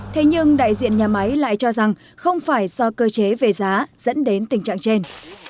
thế nhưng đại diện nhà máy lại cho rằng không phải do cơ chế về giá dẫn đến tình trạng trên